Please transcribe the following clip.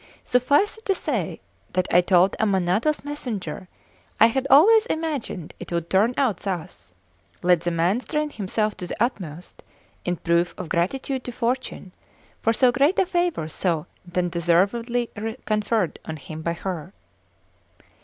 Suffice it to say that I told Ammanato's messenger I had always imagined it would turn out thus; let the man strain himself to the utmost in proof of gratitude to Fortune for so great a favour so undeservedly conferred on him by her.